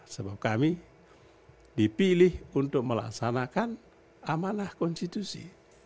sebab kami dipilih untuk melaksanakan amanah konstitusi